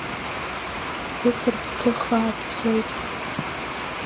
Дыԥар, дԥыххаа дцоит.